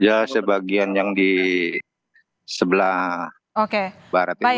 ya sebagian yang di sebelah barat itu